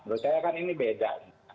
menurut saya kan ini beda